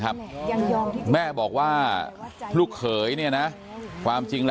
เพราะไม่เคยถามลูกสาวนะว่าไปทำธุรกิจแบบไหนอะไรยังไง